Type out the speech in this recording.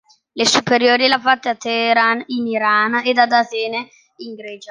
Le superiori le ha fatte a Teheran in Iran e ad Atene in Grecia.